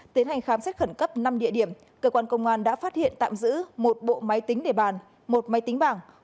tiến hành khám xét khẩn cấp năm địa điểm cơ quan công an đã phát hiện tạm giữ một bộ máy tính để bàn một máy tính bảng